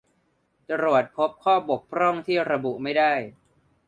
ตรวจพบข้อบกพร่องที่ระบุไม่ได้